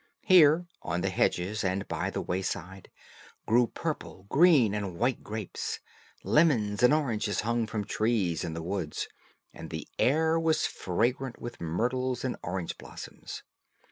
Here, on the hedges, and by the wayside, grew purple, green, and white grapes; lemons and oranges hung from trees in the woods; and the air was fragrant with myrtles and orange blossoms.